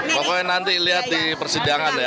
pokoknya nanti lihat di persidangan ya